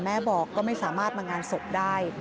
แม่บอกก็ไม่สามารถมางานศพได้